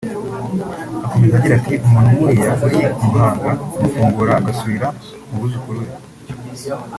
Akomeza agira ati “ Umuntu nk’uriya uri i Muhanga kumufungura agasubira mu buzukuru be